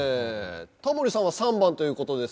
タモリさんは３番という事ですけど。